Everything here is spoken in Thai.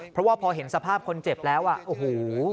เพราะว่าพอเห็นสภาพคนเจ็บแล้วอ่ะโอ้โห